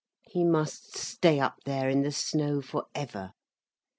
He must stay up there in the snow forever.